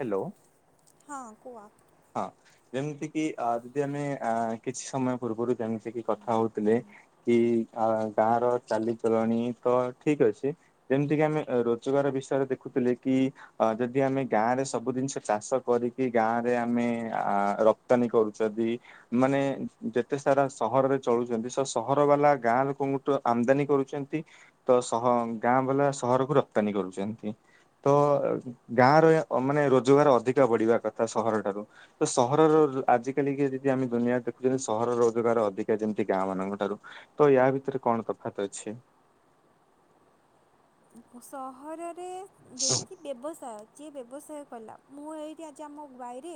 Hello. ହଁ କୁହ? ହଁ ଯେମିତି କିି ଅ ଯଦି ଆମେ ଅ କିଛି ସମୟ ପୂର୍ବରୁ ଯେମତି ସେ କି କଥା ହଉଥିଲେ କି ଗାଁ ର ଚାଲିଚଲଣି ତ ଠିକ ଅଛି। ଯେମିତିକି ଆମେ ରୋଜଗାର ବିଷୟରେ ଦେଖୁଥିଲେ କି। ଅ ଯଦି ଆମେ ଗାଁ ରେ ସବୁ ଜିନିଷ ଚାଷ କରିକି ଗାଁରେ ଆମେ ଅ ରପ୍ତାନୀ କରୁଛନ୍ତି। ମାନେ ଯେତେ ସାରା ସହରରେ ଚଳୁଛନ୍ତି ସହର ବାଲା ଗାଁ ଲୋକଙ୍କୁଠୁ ଆମଦାନୀ କରୁଛନ୍ତି। ତ ସହ ଗାଁ ବାଲା ସହରକୁ ରପ୍ତାନୀ କରୁଛନ୍ତି। ତ ଗାଁ ର ମାନେ ରୋଜଗାର ଅଧିକ ବଢିବା କଥା ସହର ଠାରୁ। ତ ସହରର ଆଜିକାିକ ଯଦି ଆମେ ଦୁନିଆରେ ଦେଖୁଛନ୍ତି ସହର ରୋଜଗାର ଅଧିକା ଯେମିତି ଗାଁ ମାନଙ୍କ ଠାରୁ। ତ ୟା ଭିତରେ କଣ ତଫାତ ଅଛି। ସହରରେ ହଁ ଯେତିକି ବ୍ୟବସାୟ ଯିଏ ବ୍ୟବସାୟ କଲା ମୁଁ ଏଇଠି ଆଜି ଆମ ଗାଈରେ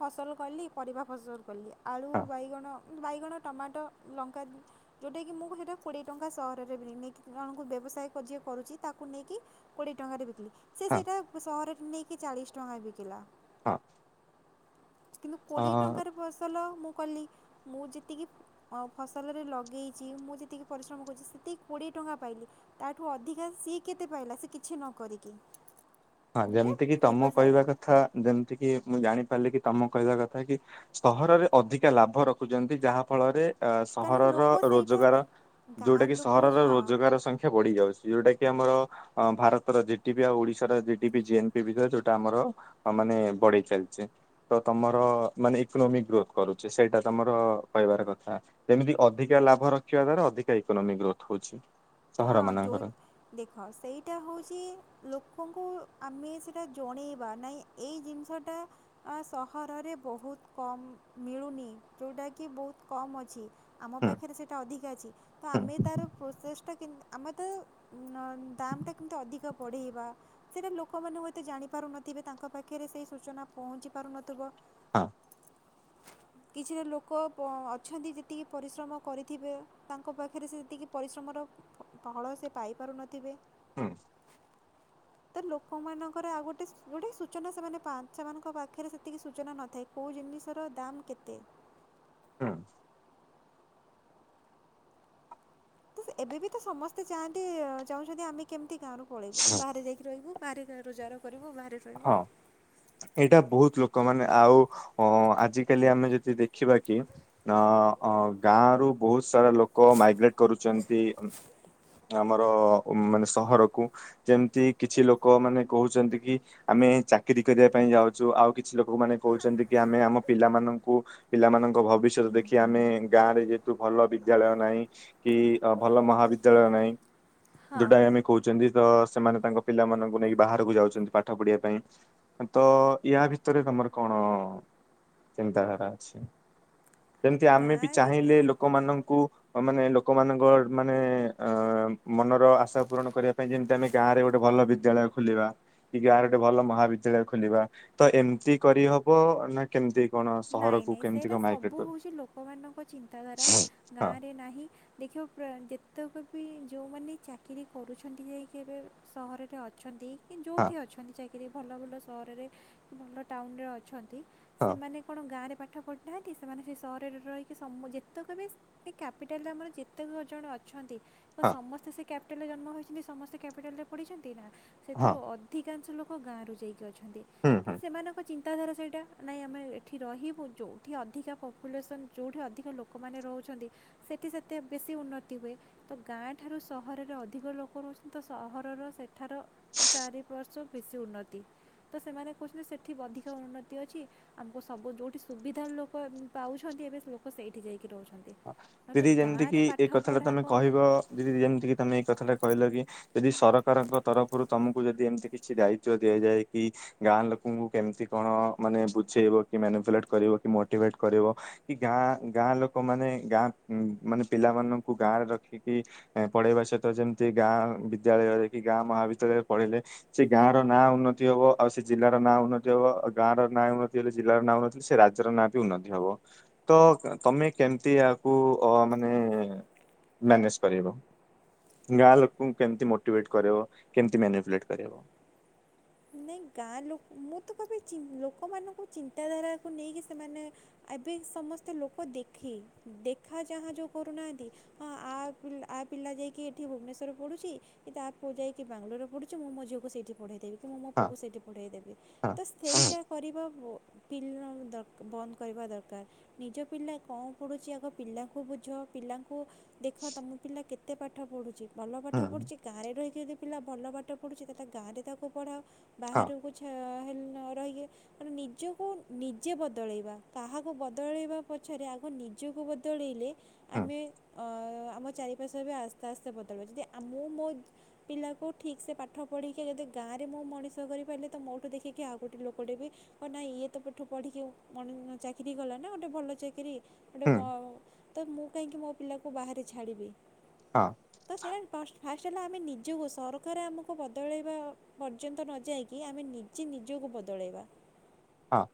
ଫସଲ କଲି ପରିବା ଫସଲ କଲି ଆଳୁ ହଁ ବାଇଗଣ ବାଇଗଣ ଟମାଟୋ ଲଙ୍କା ଯଉଟା କି ମୁଁ ସେଟା କୋଡ଼ିଏ ଟଙ୍କା ସହରରେ ବି [unintelligible] ନେଇକିଣଙ୍କୁ ବ୍ୟବସାୟ ଯିଏ କରୁଛି ତାକୁ ନେଇକି କୋଡ଼ିଏ ଟଙ୍କାରେ ବିକିବି ସେ ସେଇଟା [unintelligible] ସହରରେ ନେଇ କି ଚାଳିଶ ଟଙ୍କା ବିକିଲା। ହଁ। କିନ୍ତୁ କୋଡ଼ିଏ ହଁ ଟଙ୍କାର ଫସଲ ମୁଁ କଲି ମୁଁ ଯେତିକି ଫସଲରେ ଲଗେଇଛି ମୁଁ ଯେତିକି ପରିଶ୍ରମ କରୁଛି ସେତିକି କୋଡ଼ିଏ ଟଙ୍କା ପାଇଁ। ତାଠୁ ଅଧିକା ସିଏ କେତେ ପାଇଲା ସେ କିଛି ନ କରିକି। ହଁ ଯେଉଁଟା ଯେମିତି କି ତମ ବ୍ୟବସାୟ କହିବା କଥା ଯେମିତି କି ମୁଁ ଜାଣି ପାରିଲି କି ତମ କହିବା କଥା କି ସହରରେ ଅଧିକା ଲାଭ ରଖୁଛନ୍ତି ଯାହା ଫଳରେ ଅ କାହିଁକିନା ସହରର ଲୋକ ସେଇଟା ରୋଜଗାର ଯୋଉଟା ଗାଁ କିି ଲୋକ ସହରର ହଁ ରୋଜଗାର ସଂଖ୍ୟା ପଡି ଯାଉଛି ଯଉଟା କି ଆମର ଭାରତର ଜିଟି ବିି ଆଉ ଓଡିଶାର ଜିଡି ଜ ଏ ପି ବିରେ ଯୋଉଟା ଆମର ମାନେ ବଢେଇ ଚାଲିଛି। ତ ତମର ମାନେ ଇକୋନୋମିକ ଗ୍ରୋଥ କରୁଛିେ ସେଇଟା ତମର କହିବାର କଥା। ଯେମିତି ଅଧିକା ଲାଭ ରଖିବା ଦ୍ଵାରା ଅଧିକା ଇକୋନୋମି ଗ୍ରୋଥ ହଉଛି। ସହର ହଁ ଯଉ ମାନଙ୍କର। ଦେଖ ସେଇଟା ହେଉଛି ଲୋକଙ୍କୁ ଆମେ ସେଇଟା ଜଣେଇବା ନାଇଁ ଏଇ ଜିନିଷଟା ଆ ସହରରେ ବହୁତ କମ ମିଳୁନି ଯେଉଁଟାକି ବହୁତ କମ୍ ଅଛି। ଆମ ହୁଁ ପାଖରେ ସେଇଟା ଅଧିକା ଅଛି ତ ହୁଁ ଆମେ ତାର ପ୍ରୋସେସ୍ ଟା ଆମେ ତ ଦାମ୍ଟା କେମିତି ଅଧିକ ବଢ଼େଇବା। ସେଇଟା ଲୋକମାନେ ହୁଏତେ ଜାଣିପାରୁନଥିବେ ତାଙ୍କ ପାଖରେ ସେହି ସୂଚନା ପହଞ୍ଚି ପାରୁନଥିବ। ହଁ। କିଛିଟା ଲୋକ ଅଛନ୍ତି ଯେତିକି ପରିଶ୍ରମ କରିଥିବେ ତାଙ୍କ ପାଖରେ ସେ ଯେତିକି ପରିଶ୍ରମର ଫଳ ସେ ପାଇପାରୁନଥିବେ। ହଁ। ତ ଲୋକମାନଙ୍କର ଆଉ ଗୋଟେ ଗୋଟେ ସୂଚନା ସେମାନେ ପା ସେମାନଙ୍କ ପାଖରେ ସେତିକି ସୂଚନା ନଥାଏ। କେଉଁ ଜିନିଷର ଦାମ୍ କେତେ? ହଁ। ତ ଏବେ ବି ତ ସମସ୍ତେ ଚାହାଆନ୍ତି ଚାହୁଁଛନ୍ତି ଆମେ କେମିତି ଗାଁରୁ ପଳେଇବୁ ହୁଁ। ବାହାରେ ଯାଇକି ରହିବୁ ବାହାରୋଁ ରୋଜାର କରିବୁ ବାହାରେ ରହିବୁ ହଁ ଏଇଟା ବହୁତ ଲୋକମାନେ ଆଉ ଆଜିକାଲି ଆମେ ଯଦି ଯେ ଦେଖିବା କି ନା ହଁ ଗାଁ ରୁ ବହୁତ ସାରା ଲୋକ ମାଇଗ୍ରେଟ କରୁଛନ୍ତି। ଆମର ମାନେ ସହରକୁ ଯେମିତି କିଛି ଲୋକ ମାନେ କହୁଛନ୍ତି କି ଆମେ ଚାକିରୀ କରିବା ପାଇଁ ଯାଉଛୁ ଆଉ କିଛି ଲୋକମାନେ କହୁଛନ୍ତି କି ଆମେ ଆମ ପିଲାମାନଙ୍କୁ ପିଲାମାନଙ୍କ ଭବିଷ୍ୟତ ଦେଖି ଆମେ ଗାଁ ରେ ଯେହେତୁ ଭଲ ବିଦ୍ୟାଳୟ ନାହିଁ। କି ଅ ଭଲ ମହାବିଦ୍ୟାଳୟ ନାହିଁ। ହଁ ଯୋଉଟା ଆମେ କହୁଛନ୍ତି ତ ସେମାନେ ତାଙ୍କ ପିଲାମାନଙ୍କୁ ନେଇକି ବାହାରକୁ ଯାଉଛନ୍ତି ପା ଠ ପଢିବା ପାଇଁ ତ ୟା ଭିତରେ ତମର କଣ ଚିନ୍ତାଧାରା ଅଛି। ଯେମିତି ଆମେ ବି ଗାଁରେ ଚାହିଁଲେ ଲୋକମାନଙ୍କୁ ମାନେ ଲୋକମାନଙ୍କ ମାନେ ଅ ମନର ଆଶା ପୂରଣ କରିବା ପାଇଁ ଯେମିତି ଆମେ ଗାଁ ରେ ଗୋଟେ ଭଲ ବିଦ୍ୟାଳୟ ଖୋଲିବା। କି ଗାଁରେ ଗୋଟେ ଭଲ ମହାବିଦ୍ୟାଳୟ ଖୋଲିବା ତ ଏମିତି କରିହବ ନା କେମିତି? କଣ ନାଇଁ ସହରକୁ ନାଇଁ କେମିତି ସେଇଟା କଣ ମାଇଗ୍ରେଟ ସବୁ କରିବ? ହଉଛି ଲୋକମାନଙ୍କ ଚିନ୍ତାଧାରା ହଁ ଗାଁରେ ନାହିଁ। ଦେଖିବ ପ୍ରା ଯେତେକ ବି ଯେଉଁମାନେ ଚାକିରି କରୁଛନ୍ତି ଯାଇକି ଏବେ ସହରରେ ଅଛନ୍ତି। କି ହଁ ଯେଉଠି ଅଛନ୍ତି ଚାକିରି ଭଲ ଭଲ ସହରରେ ଭଲ ଟାଉନରେ ଅଛନ୍ତି ହଁ ସେମାନେ କ'ଣ ଗାଁରେ ପାଠ ପଢ଼ିନାହାନ୍ତି ସେମାନେ ସେ ସହରରେ ରହିକି ସମ ଯେତକ ବି ଏ କ୍ୟାପିଟାଲରେ ଆମର ଯେତେକ ଜଣ ଅଛନ୍ତି ତ ହଁ ସମସ୍ତେ ସେ କ୍ୟାପିଟାଲରେ ଜନ୍ମ ହୋଇଛନ୍ତି ସମସ୍ତେ କ୍ୟାପିଟାଲରେ ପଡ଼ିଛନ୍ତି ନା ହଁ ସେଥିରୁ ଅ ଅଧିକାଂଶ ଲୋକ ଗାଁରୁ ଯାଇକି ଅଛନ୍ତି। ହୁଁ ହୁଁ। କିନ୍ତୁ ସେମାନଙ୍କ ଚିନ୍ତାଧାରା ସେଇଟା ନାଇଁ ଆମେ ସେଠି ରହିବୁ ଯେଉଠି ଅଧିକା ପପୁଲେସନ୍ ଯେଉଠି ଅଧିକା ଲୋକମାନେ ରହୁଚନ୍ତି। ସେଠି ସେତେ ବେଶୀ ଉନ୍ନତି ହୁଏ। ତ ଗାଁ ଠାରୁ ସହରରେ ଅଧିକ ଲୋକ ରହୁଛନ୍ତି ତ ସହରର ସେ ଥାର ଚାରି ବର୍ଷ ବେଶୀ ଉନ୍ନତି। ତ ସେମାନେ କହୁଚନ୍ତି ସେଠି ଅଧିକ ଉନ୍ନତି ଅଛି ଆମ ଓ ସବୁ ଯେଉଠି ସୁବିଧା ଲୋକ ପାଉଛନ୍ତି ଏବେ ଲୋକ ସେଇଠି ଯାଇକି ରହୁଛନ୍ତି। ନହେଲେ ଦିଦି ଯେମିତିକି ଗାଁରେ ଏଇ ପାଠ କଥା ଟା ପଢ଼ା ତମେ କ'ଣ କହିବ ଦିଦି ଯେମତିିକି ତମେ ଏଇ କଥା ଟା କହିଲ କି ଯଦି ସରକାରଙ୍କ ତରଫରୁ ତମକୁ ଯଦି ଏମିତି କିଛି ଦାୟିତ୍ବ ଦିଆଯାଏ କି ଗାଁ ଲୋକଙ୍କୁ କେମତି କଣ ମାନେ ବୁଝେଇବ କି ମାନୁପୁଲେଟ କରିବ କି ମୋଟିଭେଟ କରିବ? କି ଗାଁ ଗାଁ ଲୋକ ମାନେ ଗାଁ ମାନେ ପିଲାମାନଙ୍କୁ ଗାଁ ରେ ରଖିକି ଏଁ ପଢେଇବା ସହିତ ଯେମିତି ଗାଁ ବିଦ୍ୟାଳୟରେ କି ଗାଁ ମହାବିଦ୍ୟାଳୟରେ ପଢିଲେ ସେ ଗାଁ ର ନାଁ ଉନ୍ନତି ହବ ଆଉ ସେ ଜିଲ୍ଲାର ନାଁ ଉନ୍ନତି ହବ ଆଉ ଗାଁ ର ନାଁ ଉନ୍ନତି ହେଲେ ଜିଲ୍ଲାର ନାଁ ଉନ୍ନତି ସେ ରାଜ୍ୟର ନାଁ ବି ଉନ୍ନତି ହବ। ତ ତମେ କେମିତି ୟାକୁ ଅ ମାନେ ମ୍ୟାନେଜ କରିବ? ଗାଁ ଲୋକଙ୍କୁ କେମିତି ମୋଟିଭେଟ କରିହେବ କେମିତି ମ୍ୟାନୁପୁଲେଟ୍ କରିହବ? ନାଇଁ ଗାଁ ଲୋକ ମୁଁ ତ ଭାବିଚି ଲୋକମାନଙ୍କୁ ଚିନ୍ତାଧାରାକୁ ନେଇକି ସେମାନେ ଆବେ ସମସ୍ତେ ଲୋକ ଦେଖି ଦେଖା ଚାହାଁ ଯୋଉ କରୁନାହାନ୍ତି ହଁ ଆ ଉପରୁ ଆ ପିଲା ଯାଇକି ଏଠି ଭୁବନେଶ୍ୱର ପଢୁଛି କି ତା ପୁଅ ଯାଇକି ବାଙ୍ଗଲୋର ପଢୁଛି ମୁଁ ମୋ ଝିଅକୁ ସେଠି ପଢେଇ ଦେବି। କି ମୁଁ ମୋ ହଁ ପୁଅକୁ ସେଇଠି ପଢ଼ାଇ ଦେବି। ହଁ ତ ହୁଁ ସେଇଟା କରିବା ବୁ ପିଲ ଦକ ବନ୍ଦ କରିବା ଦରକାର। ନିଜ ପିଲା କଣ ପଢ଼ୁଛି ଆଗ ପିଲାଙ୍କୁ ବୁଝ ପିଲାଙ୍କୁ ଦେଖ ତମ ପିଲା କେତେ ପାଠ ପଢୁଚି। ଭଲ ପାଠ ହୁଁ ପଢ଼ୁଚି ଗାଁରେ ରହିକି ଯଦି ପିଲା ଭଲ ପାଠ ପଢ଼ୁଚି ତାହେଲେ ଗାଁରେ ତାକୁ ପଢ଼ାଅ। ହଁ ବାହାରକୁ ଛା ହେ ନରହିଏ ମାନେ ନିଜକୁ ନିଜେ ବଦଳେଇବା କାହାକୁ ବଦଳେଇବା ପଛରେ ଆଗ ନିଜକୁ ବଦଳେଇଲେ ହୁଁ ଆମେ ଅ ଆମ ଚାରି ପାଶ୍ୱରେ ବି ଆସ୍ତେ ଆସ୍ତେ ବଦଳିବ ଯଦି ଆ ମୁଁ ମୋ ପିଲାକୁ ଠିକ୍ସେ ପାଠ ପଢ଼େଇକା ଯଦି ଗାଁରେ ମୁଁ ମଣିଷ କରିପାରିଲେ ତ ମୋଠୁ ଦେଖିକି ଆଉ ଗୋଟେ ଲୋକଟେ ବି ହ ନାଇଁ ଇଏ ତ ପଠୁ ପଢ଼ିକି ମନ ଚାକିରି କଲାନା ଗୋଟେ ଭଲ ଚାକିରି। ଗୋଟେ ହୁଁ ମ ତ ମୁଁ କାହିଁକି ମୋ ପିଲାକୁ ବାହାରେ ଛାଡ଼ିବି। ହଁ। ତ ସେଇଟା ପ ଫାଷ୍ଟ ହେଲା ଆମେ ନିଜକୁ ସରକାର ଆମକୁ ବଦଳେଇବା ପର୍ଯ୍ୟନ୍ତ ନ ଯାଇକି ଆମେ ନିଜେ ନିଜକୁ ବଦଳେଇବା। ହଁ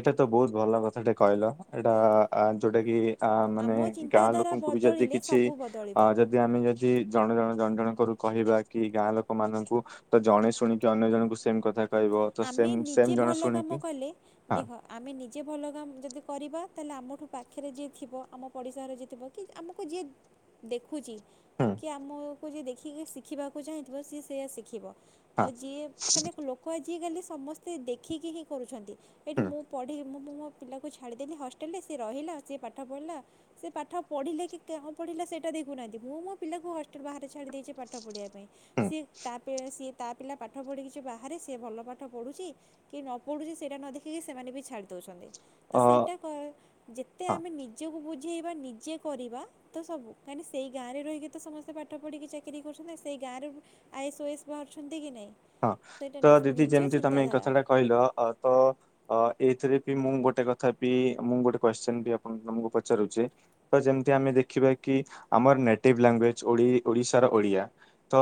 ଏଟା ତ ବହୁତ ଭଲ କଥାଟେ କହିଲ ଏଟା ଆ ଯୋଉଟା କି ଆ ମାନେ ଆମ ଗାଁ ଚିନ୍ତାଧାରା ଲୋକଙ୍କୁ ବି ଯଦି ବଦଳିଲେ କିଛି ସବୁ ବଦଳିବ ଅ ଯ ଜେ ଆମେ ଯଦି ଜଣ ଜଣ ଜଣ ଜଣଙ୍କରୁ କହିବା କି ଗାଁ ଲୋକମାନଙ୍କୁ ତ ଜଣେ ଶୁଣିକି ଅନ୍ୟ ଜଣଙ୍କୁ ସେମ୍ କଥା କହିବ ତ ସେମ୍ ସେମ ଜଣେ ଶୁଣି କହିଲେ ଦେଖ। ଆମେ ନିଜେ ଭଲ କାମ ଯଦି କରିବା ତାହେଲେ ଆମଠୁ ପାଖରେ ଯିଏ ଥିବ ଆମ ପଡ଼ିଶାରେ ଯିଏ ଥିବ। କି ଆମକୁ ଯିଏ ଦେଖୁଚି ହଁ। ଏ ଆମକୁ ଯିଏ ଦେଖିକି ଶିଖିବାକୁ ଚାହିଁଥିବ ସିଏ ସେୟା ଶିଖିବ ଆଉ ହଁ ଯିଏ ମାନେ ଲୋ ଆଜିକାଲି ସମସ୍ତେ ଦେଖିକି ହିଁ କରୁଛନ୍ତି ଏଇଠି ହୁଁ ମୁଁ ପଢ଼ି ମୁଁ ମୋ ପିଲାକୁ ଛାଡ଼ିଦେଲି ହଷ୍ଟେଲରେ ସିଏ ରହିଲା ସିଏ ପାଠ ପଢ଼ିଲା। ସେ ପାଠ ପଢ଼ିଲେ କି କେଁ ପଢିଲା ସେଟା ଦେଖୁନାହାନ୍ତି ମୁଁ ମୋ ପିଲାଙ୍କୁ ହଷ୍ଟେଲ ବାହାରେ ଛାଡ଼ି ଦେଇଛି ପାଠ ପଢ଼ିବା ପାଇଁ। ହୁଁ ସିଏ ତା ପେ ସିଏ ତା ପିଲା ପାଠ ପଢ଼ିକି ସେ ବାହାରେ ଆସି ସିଏ ଭଲ ପାଠ ପଢୁଛି କି ନ ପଢୁଛି ସେଇଟା ନ ଦେଖିକି ସେମାନେ ବି ଛାଡ଼ିଦଉଛନ୍ତି। ତ ଅ ସେଇଟା କ ଯେତେ ହଁ ଆମେ ନିଜକୁ ବୁଝେଇବା ନିଜେ କରିବା ତ ସବୁ କାହିଁକି ନା ସେଇ ଗାଁରେ ରହିକି ତ ସମସ୍ତେ ପାଠ ପଢ଼ିକି ଚାକିରି କରୁଛନ୍ତି ନା ସେଇ ଗାଁରେ ବି ଆଇ ଏସ୍ ଓ ଏସ୍ ବାହାରୁଛନ୍ତି କି ନାହିଁ? ହଁ ସେଇଟା ତ ନାହିଁ ଦିଦି ନିଜ ଯେମିତି ତମେ ଏଇ ଚିନ୍ତାଧାରା କଥାଟା କହିଲ ଅ ତ। ଅ ଏଇଥିରେ ପି ମୁଁ ଗୋଟେ କଥା ପି ମୁଁ ଗୋଟେ କୋଷ୍ଚିନ ବି ଆପଣ ତମକୁ ପଚାରୁଛି। ତ ଯେମିତି ଆମେ ଦେଖିବା କି ଆମର ନେଟିଭ ଲାଙ୍ଗୁଏଜ ଓଡି ଓଡିଶାର ଓଡିଆ। ତ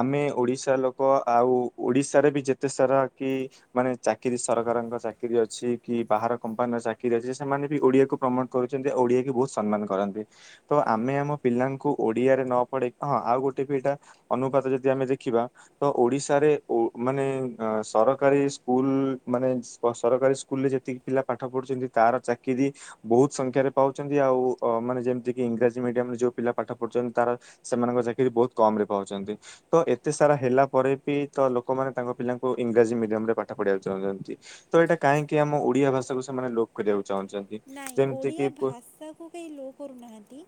ଆମେ ଓଡିଶା ଲୋକ ଆଉ ଓଡିଶାରେ ବି ଯେତେ ସାରା କି ମାନେ ଚାକିରି ସରକାରଙ୍କ ଚାକିରି ଅଛି କି ବାହାର କମ୍ପାନୀର ଚାକିରି ଅଛି ସେମାନେ ବି ଓଡିଆକୁ ପ୍ରମୋଟ କରୁଛନ୍ତି ଓଡିଆ କି ବହୁତ ସମ୍ମାନ କରନ୍ତି। ତ ଆମେ ଆମ ପିଲାଙ୍କୁ ଓଡିଆରେ ନ ପଢେଇ ହଁ ଆଉ ଗୋଟେ ବି ଏଇଟା ଅନୁପାତ ଯଦି ଆମେ ଦେଖିବା ତ ଓଡ଼ିଶାରେ ଓ ମାନେ ସରକାରୀ ସ୍କୁଲ ମାନେ ସରକାରୀ ସ୍କୁଲରେ ଯେତିକି ପିଲା ପାଠ ପଢୁଛନ୍ତି ତାର ଚାକିରି ବହୁତ ସଂଖ୍ୟାରେ ପାଉଛନ୍ତି ଆଉ ଅ ମାନେ ଯେମିତିକି ଇଂରାଜୀ ମିଡିୟମରେ ଯୋଉ ପିଲା ପାଠ ପଢୁଛନ୍ତି ତାର ସେମାନଙ୍କ ଚାକିରି ବହୁତ କମରେ ପାଉଛନ୍ତି ତ ଏତେ ସାରା ହେଲା ପରେ ବି ତ ଲୋକମାନେ ତାଙ୍କ ପିଲାଙ୍କୁ ଇଂରାଜୀ ମିଡିୟମରେ ପାଠ ପଢ଼ିବାକୁ ଚାହୁଁଛନ୍ତି। ତ ଏଇଟା କାହିଁକି ଆମ ଓଡିଆ ଭାଷାକୁ ସେମାନେ ଲୋପ କରିବାକୁ ଚାହୁଁଛନ ନାଇଁ ଓଡ଼ିଆ ଭାଷାକୁ କେହି ଲୋ କରୁନାହାନ୍ତି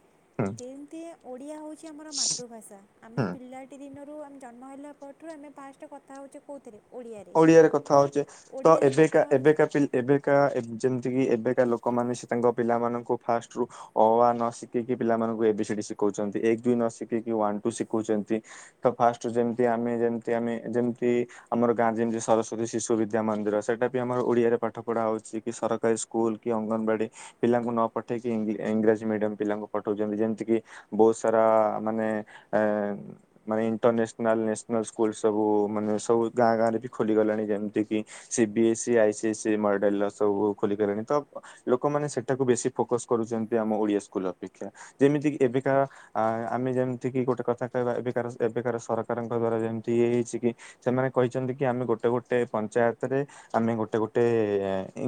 ଯେମିତିଆ ଓଡ଼ିଆ ହଉ ଚି ଆମର ମାତୃଭାଷା ହୁଁ ଆମେ ପିଲାଟି ଦିନରୁ ଆମେ ଜନ୍ମ ହେଲା ପରଠୁ ଆମେ ଫାର୍ଷ୍ଟ କଥା ହଉଛେ କଉଥିରେ? ଓଡ଼ିଆରେ। ଓଡିଆରେ କଥା ତ ହଉଚେ ତ ଓଡ଼ିଆରେ ଏବେକା କଥା ହେଉଛେ ଏବେକା ପି ଏବେକା ଏବ ଯେମିତିକି ଏବେକା ଲୋକମାନେ ସେ ତାଙ୍କ ପିଲାମାନଙ୍କୁ ଫାଷ୍ଟରୁୁ। ଅ ଆ ନ ଶିଖେଇକି ପିଲାମାନଙ୍କୁ ଏ ବି ସି ଡି ଶିଖଉଛନ୍ତି ଏକ ଦୁଇ ନ ଶିଖେଇକି ୱାନ ଟୁ ଶିଖଉଛନ୍ତି। ତ ଫାର୍ଷ୍ଟ ରୁ ଯେମିତି ଆମେ ଯେମତି ଆମେ ଯେମିତି ଆମର ଗାଁ ଯେମିତି ସରସ୍ୱତୀ ଶିଶୁ ବିଦ୍ୟା ମନ୍ଦିର ସେଇଟା ବି ଆମର ଓଡ଼ିଆରେ ପାଠପଢ଼ା ହଉଛି କି ସରକାରୀ ସ୍କୁଲ୍ କି ଅଙ୍ଗନବାଡ଼ି। ପିଲାଙ୍କୁ ନ ପଠେଇକି ଇ ଇଂରାଜୀ ମିଡିୟମ ପିଲାଙ୍କୁ ପଠଉଛନ୍ତି ଯେମିତିକି ବହୁତ ସାରା ମାନେ ଆ ଏ ମାନେ ଇଣ୍ଟରନ୍ୟାସନାଲ ନ୍ୟାସନାଲ ସ୍କୁଲ ସବୁ ମାନେ ସବୁ ଗାଁ ଗାଁ ରେ ବି ଖୋଲି ଗଲାଣି, ଯେମିତିକି C B S E I C S C ମଡେଲର ସବୁ ଖୋଲିଗଲାଣି ତ। ଲୋକମାନେ ସେଟାକୁ ବେଶୀ ଫୋକସ କରୁଛନ୍ତି ଆମ ଓଡିଆ ସ୍କୁଲ ଅପେକ୍ଷା ଯେମିତି କିି ଏବେକା ଆ ଆମେ ଯେମିତି କିି ଗୋଟେ କଥା କହିବା ଏବେକାର ଏବେକାର ସରକାରଙ୍କ ଦ୍ଵାରା ଯେମିତି ଇଏ ହେଇଛି କି। ସେମାନେ କହିଛନ୍ତି କି ଆମେ ଗୋଟେ ଗୋଟେ ପଞ୍ଚାୟତ ରେ ଆମେ ଗୋଟେ ଗୋଟେ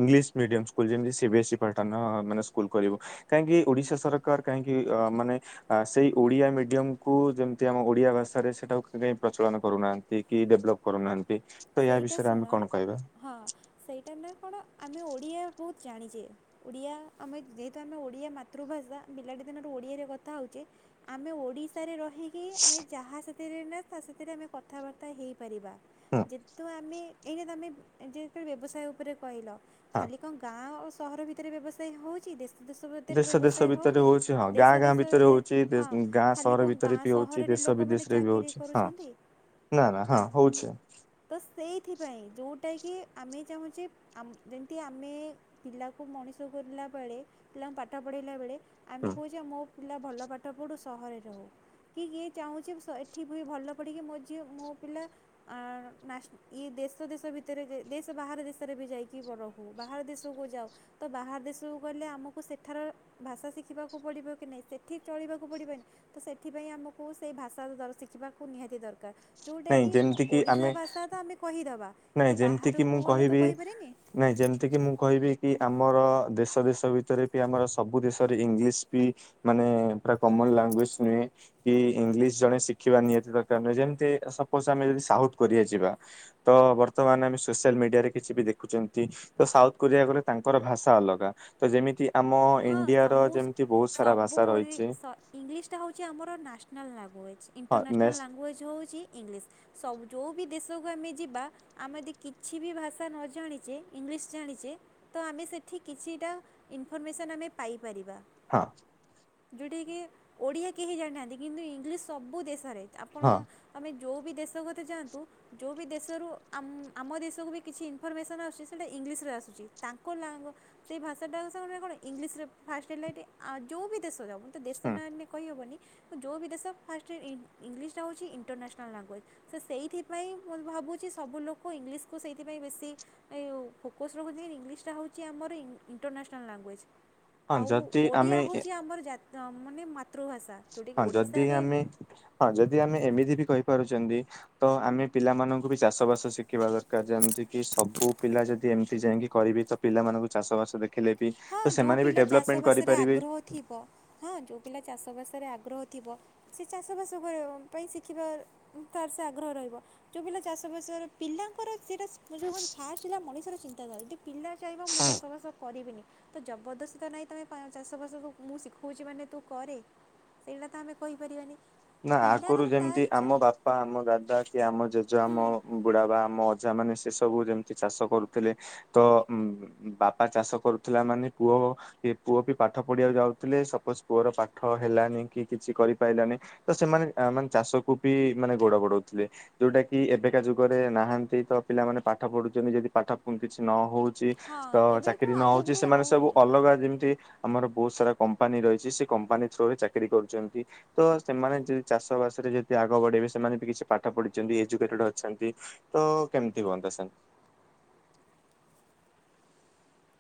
ଇଂଲିଶ ମିଡିଅମ ସ୍କୁଲ ଯେମିତି C B S C partner ମାନେ ସ୍କୁଲ କରିବୁ। କାହିଁକି ଓଡିଶା ସରକାର କାହିଁକି ଅ ମାନେ ଆ ସେଇ ଓଡ଼ିଆ ମିଡିୟମକୁ ଯେମିତି ଆମ ଓଡିଆ ଭାଷାରେ ସେଇଟାକୁ ପ୍ରଚଳନ କରୁନାହାନ୍ତି କି ଡଭଲପ୍ କରୁନାହାନ୍ତି ତ ୟା ସେଇଟା ବିଷୟରେ ଶୁଣ ଆମେ କଣ କହିବା? ହଁ। ସେଇଟା ନେ କଣ ଆମେ ଓଡ଼ିଆ ବହୁତ ଜାଣିଛେ। ଓଡ଼ିଆ ଆମେ ଯେହେତୁ ଆମେ ଓଡ଼ିଆ ମାତୃଭାଷା ବିଲାଟି ଦିନରୁ ଓଡ଼ିଆରେ କଥା ହେଉଛେ ଆମେ ଓଡ଼ିଶାରେ ରହିକି ଆମେ ଯାହା ସେଥିରେ ନା ତା ସେଥିରେ ଆମେ କଥାବାର୍ତ୍ତା ହେଇପାରିବା। ହୁଁ ଯେେତୁ ଆମେ ଏଇଟା ତୁମେ ଯେଳେ ବ୍ୟବସାୟ ଉପରେ କହିଲ। ହଁ। ଖାଲି କଣ ଗାଁ ଓ ସହର ଭିତରେ ବ୍ୟବସାୟ ହଉଛି ଦେଶ ଦେଶ ଭିତରେ ଦେଶ ବ୍ୟବସାୟ ଭିତରେ ହଉନି ହଉଛି ହଁ ଗାଁ ଦେଶ ଗାଁ ଦେଶ ଭିତରେ ହଉଛି ହଁ ଗାଁ ଖାଲି ସହର କଣ ଭିତରେ ଗାଁ ବି ହଉଛି ସହରରେ ଦେଶ ଲୋକମାନେ ବିଦେଶରେ ବି ଚାକିରି ହଉଛି ହଁ କରୁଛନ୍ତି। ନା ନା ଗାଁ ହଁ [unintelligible] ତ ସେଇଥିପାଇଁ ଯେଉଁଟା କିି ଆମେ ଚାହୁଁଛେ ଯେମିତି ଆମେ ପିଲାକୁ ମଣିଷ କିଲଲା ବେଳେ ପିଲାଙ୍କୁ ପାଠ ପଢ଼ାଇଲା ବେଳେ ହୁଁ ଆମେ କହୁଛେ ମୋ ପିଲା ଭଲ ପାଠ ପଢ଼ୁ ସହରେ ରହୁ। କି କିଏ ଚାହୁଁଛି ଏଠି ବି ଭଲ ପଢ଼ିକି ମୋ ଅ ମୋ ପିଲା ଆ ନା ଇଏ ଦେଶ ଦେଶ ଭିତରେ ଦେଶ ବାହାର ଦେଶରେ ବି ଯାଇକି ରହୁ ବାହାର ଦେଶକୁ ଯାଉ। ତ ବାହାର ଦେଶକୁ ଗଲେ ଆମକୁ ସେଠାର ଭାଷା ଶିଖିବାକୁ ପଡ଼ିବ କି ନାହିଁ ସେଠି ଚଳିବାକୁ [unintelligible] ତ ସେଥିପାଇଁ ଆମକୁ ସେଇ ଭାଷା ଶିଖିବାକୁ ନିହାତି ଦରକାର ନାଇଁ ଯେଉଁଟାକି ଯେମିତି କିି ଓଡ଼ିଶା ଆମେ ଭାଷା ତା ତ ଆମେ କହିଦବା। ନାଇଁ ଯେମିତି କିି ମୁଁ କହିବି ନାଇଁ ଯେମିତି କିି ମୁଁ କହିବି କି ଆମର ଦେଶ ଦେଶ ଭିତରେ ବି ଆମର ସବୁ ଦେଶରେ ଇଂଲିଶ ବି ମାନେ ପୁରା କମନ ଲାଙ୍ଗୁଏଜ ନୁହେଁ। କି ଇଂଲିଶ ଜଣେ ଶିଖିବା ନିହାତି ଦରକାର ଯେମିତି ସପୋଜ ଆମେ ଯଦି ସାଉଥ କୋରିଆ ଯିବା। ତ ବର୍ତ୍ତମାନ ଆମେ ସୋସିଆଲ ମିଡ଼ିଆରେ କିଛି ବି ଦେଖୁଛନ୍ତି। ତ ସାଉଥ କୋରିଆ କଲେ ତାଙ୍କର ଭାଷା ଅଲଗା, ତ ଯେମିତି ଆମ ହଁ ଇଣ୍ଡିଆର ସମ ଯେମିତି ବହୁତ ସାରା ସବୁ ଭାଷା ରହିଛି ଇଂଲିଶଟା ହେଉଛି ଆମର ନ୍ୟାସନାଲ୍ ଲାଙ୍ଗୁଏଜ୍ ହଁ ଇଣ୍ଟରନ୍ୟାସନାଲ୍ ନେକ୍ସଟ ଲାଙ୍ଗୁଏଜ୍। ହଉଛି ଇଂଲିଶ ସବୁ ଯେଉଁ ବି ଦେଶକୁ ଆମେ ଯିବା ଆମେ ଯଦି କିଛି ବି ଭାଷା ନ ଜାଣିଛେ ଇଂଲିଶ ଜାଣିଛେ ତ ଆମେ ସେଠି କିଛିଟା ଇନଫର୍ମେସନ୍ ଆମେ ପାଇପାରିବା। ହଁ। ଯୋଉଟା କି ଓଡିଆ କେହି ଜାଣିନାହାନ୍ତି କିନ୍ତୁ ଇଂଲିଶ ସବୁ ଦେଶରେ ଆପଣ ହଁ ଆମେ ଯୋଉ ବି ଦେଶ କୋଥାେ ଯାଆନ୍ତୁ। ଯୋଉ ବି ଦେଶରୁଆମ୍ ଆମ ଦେଶକୁ ବି କିଛି ଇନଫର୍ମେସନ୍ ଆସୁଛି ସେଇଟା ଇଂଲିଶରେ ଆସୁଛି ତାଙ୍କ ଲା ସେଇ ଭାଷାଟା ସେମାନେ କଣ ଇଂଲିଶରେ ଫାଷ୍ଟ ହେଲା ଏଟି ଯୋଉ ବି ଦେଶ ଯାଉ ତ ଦେଶ ହୁଁ ନା ନେ କହିହବନି ଯୋଉ ବି ଦେଶ ଫାଷ୍ଟ ଇଂଲିଶ୍ ଟା ହୋଉଛି ଇଣ୍ଟରନ୍ୟାସନାଲ୍ ଲାଙ୍ଗୁଏଜ୍। ସେ ସେଇଥିପାଇଁ ମୁଁ ଭାବୁଛି ସବୁ ଲୋକ ଇଂଲିଶକୁ ସେଇଥିପାଇଁ ବେଶୀ ଏଇଓ ଫୋକସ୍ ରଖୁଛନ୍ତି ଇଂଲିଶ୍ଟା ହେଉଛି ଆମର ଇଣ୍ଟରନ୍ୟାସନାଲ୍ ଲାଙ୍ଗୁଏଜ୍। ହଁ ଆଉ ଯଦି ଓଡ଼ିଆ ଆମେ ହୋଉଛି ଆମର ଜା ମାନେ ମାତୃଭାଷା ହଁ ଯୋଉଟାକି ଯଦି ଓଡ଼ିଶାରେ ଆମେ ହଁ ଯଦି ଆମେ ଏମିତି ବି କହିପାରୁଚନ୍ତି। ତ ଆମେ ପିଲାମାନଙ୍କୁ ବି ଚାଷ ବାସ ଶିଖେଇବା ଦରକାର ଯେମିତି କି ସବୁ ପିଲା ଯଦି ଏମିତି ଯାଇକି କରିବି ତ ପିଲାମାନଙ୍କୁ ଚାଷ ବାସ ଦେଖ ଲେ ବି ହଁ ତ ଯେଉଁ ସେମାନେ ବି ପିଲା ଡେଭଲପମେଣ୍ଟ ଚାଷବାସରେ କରିପାରିବେ। ଆଗ୍ରହ ଥିବ ହଁ ଯୋଉ ପିଲା ଚାଷବାସରେ ଆଗ୍ରହ ଥିବ। ସେ ଚାଷବାସ କରିବା ପାଇଁ ଶିଖିବା ତାର ସେ ଆଗ୍ରହ ରହିବ। ଯୋଉ ପିଲା ଚାଷବାସ ପିଲାଙ୍କର ସେଇଟା ଯୋଉ କ ଫାଷ୍ଟ ମଣିଷର ଚିନ୍ତାଧାରା ପିଲା ଚାହିଁବ ମୁଁ ଚାଷବାସ କରିବିନି, ତ ଜବରଦସ୍ତି ତ ନାଇଁ ତମେ ଚାଷବାସକୁ ମୁଁ ଶିଖଉଛି ମାନେ ତୁ କରେ। ସେଇଟା ତ ଆମେ କହିପାରିବାନି। ନା ପିଲାର ଆଗରୁ ତା ଯେମିତି ଇଚ୍ଛା ଆମ ବାପା ଆମ ଦାଦା କି ଆମ ଜେଜେ ହୁଁ ଆମ ବୁଢା ବା ଆମ ଅଜା ମାନେ ସେ ସବୁ ଯେମିତି ଚାଷ କରୁଥିଲେ, ତ ଉ ବାପା ଚାଷ କରୁଥିଲା ମାନେ ପୁଅ କି ପୁଅ ବି ପାଠ ପଢିବାକୁ ଯାଉଥିଲେ ସପୋଜ ପୁଅର ପାଠ ହେଲାନି କି କିଛି କରିପାଇଲାନି ତ ସେମାନେ ମାନେ ଚାଷକୁ ବି ମାନେ ଗୋଡ ବଢଉଥିଲେ। ଯୋଉଟା କି ଏବେକା ଯୁଗରେ ନାହାନ୍ତି ତ ପିଲାମାନେ ପାଠ ପଢୁଛନ୍ତି, ଯଦି ପାଠ କିଛି ନ ହଉ ଚି ହଁ ତ ଏବେ ଚାକିରି ନ ଆଗକୁ ହଉଛି ବି ସେମାନେ ସବୁ ଆହୁରି ଅଲଗା ଯେମିତି ଆମର ବହୁତ ସାରା କମ୍ପାନୀ ରହିଛି ସେ କମ୍ପାନୀ ଥ୍ରୋରେ ଚାକିରି କରୁଛନ୍ତି, ତ ସେମାନେ ଯଦି ଚାଷ ବାସରେ ଯଦି ଆଗ ବଢେଇବେ ସେମାନେ ବି କିଛି ପାଠ ପଢିଛନ୍ତି, ଏଜୁକେଟେଡ ଅଛନ୍ତି। ତ କେମତି ହୁଅନ୍ତା ସେନ୍?